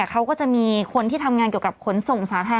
เขาก็จะมีคนที่ทำงานเกี่ยวกับขนส่งสาธารณ